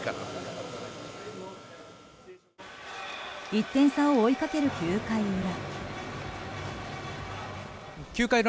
１点差を追いかける９回裏。